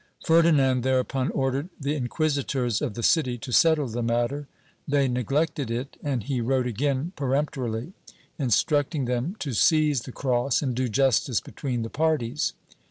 Ferdinand thereupon ordered the inquisitors of the city to settle the matter; they neglected it and he wrote again peremptorily, instructing them to seize the cross and do justice between the parties.